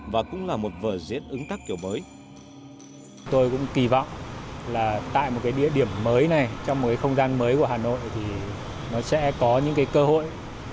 và cũng là một vở diễn ứng tác kiểu mới